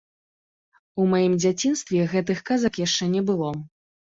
У маім дзяцінстве гэтых казак яшчэ не было.